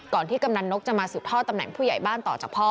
ก่อนที่กำหนักหนุกจะมาศึกท่อตำแหน่ง